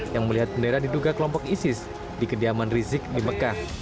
yang melihat bendera diduga kelompok isis di kediaman rizik di mekah